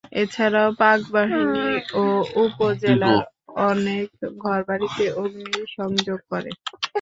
এছাড়াও পাকবাহিনী এ উপজেলার অনেক ঘরবাড়িতে অগ্নিসংযোগ করে।